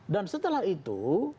dan setelah itu